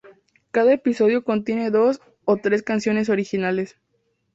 Cada episodio contiene dos o tres canciones originales.